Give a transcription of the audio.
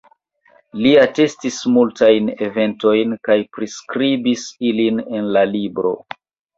Li atestis multajn eventojn kaj priskribis ilin en la libro.